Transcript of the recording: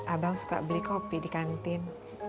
abang suka beli kopi di kantin